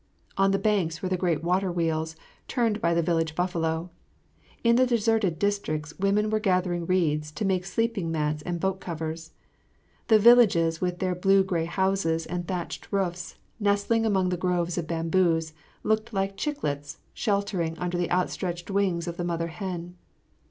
On the banks were the great water wheels turned by the village buffalo. In the deserted districts women were gathering reeds to make the sleeping mats and boat covers. The villages with their blue grey houses and thatched roofs nestling among the groves of bamboos looked like chicklets sheltering under the outstretched wings of the mother hen.